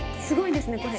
すごいね。